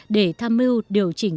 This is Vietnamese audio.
để tham mưu điều chỉnh